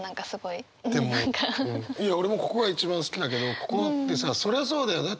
いや俺もここが一番好きだけどここってさそりゃそうだよだ